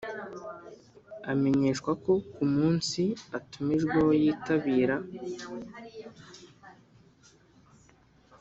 Amenyeshwa ko ku munsi atumijweho yitabira.